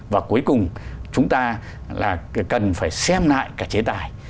và cuối cùng chúng ta là cần phải xem lại cả chế tài